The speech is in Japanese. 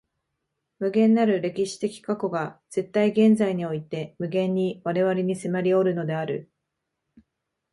無限なる歴史的過去が絶対現在において無限に我々に迫りおるのである。